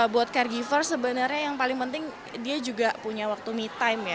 buat caregiver sebenarnya yang paling penting dia juga punya waktu me time ya